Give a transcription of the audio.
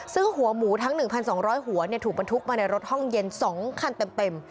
ซึ่งหัวหมูทั้งหนึ่งพันสองร้อยหัวเนี่ยถูกมาทุกมาในรถห้องเย็นสองคันเต็มเต็ม